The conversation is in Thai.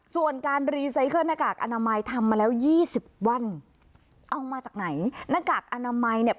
ส่วนการรีไซเคิลหน้ากากอนามัยทำมาแล้วยี่สิบวันเอามาจากไหนหน้ากากอนามัยเนี่ย